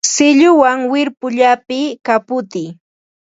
Silluwan wirpu llapiy, kaputiy